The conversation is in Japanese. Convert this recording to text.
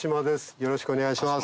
よろしくお願いします。